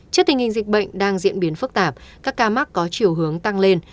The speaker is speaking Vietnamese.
trước tình hình dịch bệnh đang diễn biến phức tạp các ca mắc có chiều hướng tăng lên